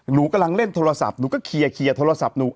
หนูกำลังเล่นโทรศัพท์หนูก็เคลียร์โทรศัพท์หนู